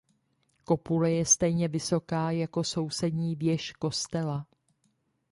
Kopule je stejně vysoká jako sousední věž kostela.